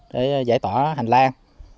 để giải tỏa hành lan